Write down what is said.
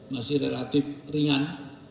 masih relatif ringan